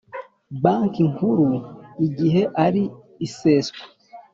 Banki Nkuru igihe ari iseswa